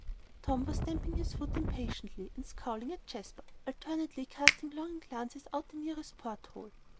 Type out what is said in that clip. Tom was stamping his foot impatiently, and scowling at Jasper, alternately casting longing glances out the nearest port hole.